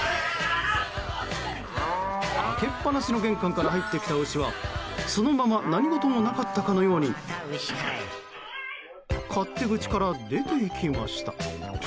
開けっ放しの玄関から入ってきた牛はそのまま何事もなかったかのように勝手口から出ていきました。